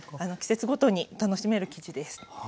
季節ごとに楽しめる生地です。